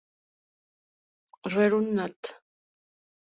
Rerum Nat.